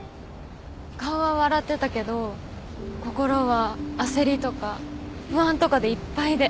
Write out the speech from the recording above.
顔は笑ってたけど心は焦りとか不安とかでいっぱいで。